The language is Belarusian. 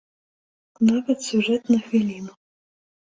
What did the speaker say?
Нават сюжэт на хвіліну.